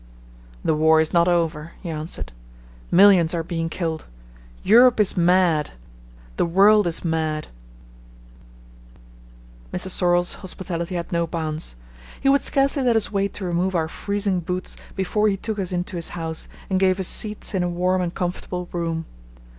"The war is not over," he answered. "Millions are being killed. Europe is mad. The world is mad." [Illustration: [Rough Memory Map of Route Across South Georgia]] Mr. Sorlle's hospitality had no bounds. He would scarcely let us wait to remove our freezing boots before he took us into his house and gave us seats in a warm and comfortable room.